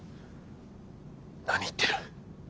な何言ってる。